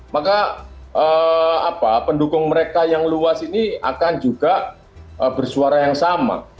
maka pendukung mereka yang luas ini akan juga bersuara yang sama